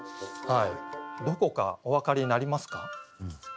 どこかお分かりになりますか？